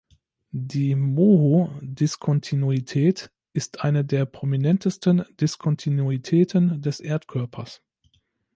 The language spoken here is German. Die Moho-Diskontinuität ist eine der prominentesten Diskontinuitäten des Erdkörpers.